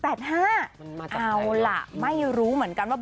เอาล่ะไม่รู้เหมือนกันว่า